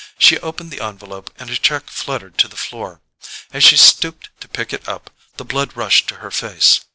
She opened the envelope and a cheque fluttered to the floor. As she stooped to pick it up the blood rushed to her face.